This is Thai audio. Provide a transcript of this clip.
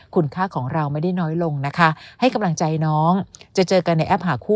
คุณค่าของเราไม่ได้น้อยลงนะคะให้กำลังใจน้องจะเจอกันในแอปหาคู่